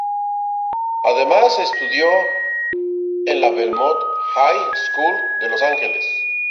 Además, estudió en la Belmont High School de Los Ángeles.